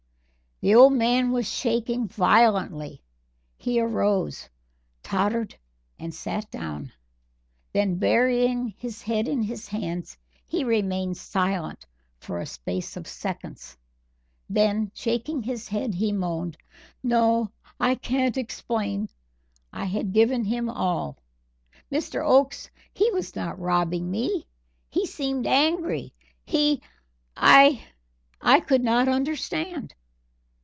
The old man was shaking violently. He arose, tottered and sat down. Then burying his head in his hands, he remained silent for a space of seconds. Then shaking his head, he moaned: "No, I can't explain. I had given him all. Mr. Oakes, he was not robbing me he seemed angry he I could not understand."